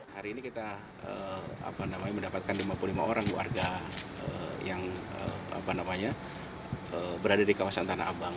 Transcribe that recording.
hari ini kita mendapatkan lima puluh lima orang warga yang berada di kawasan tanah abang